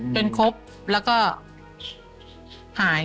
ครบแล้วก็หาย